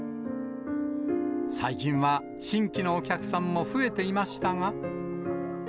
最近は新規のお客さんも増えていましたが。